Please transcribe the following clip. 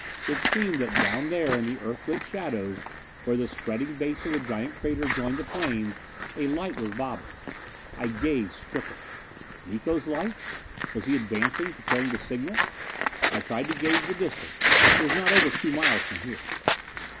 It seemed that down there in the Earthlit shadows, where the spreading base of the giant crater joined the plains, a light was bobbing. I gazed, stricken. Miko's lights? Was he advancing, preparing to signal? I tried to gauge the distance; it was not over two miles from here.